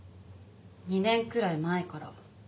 ２年くらい前から。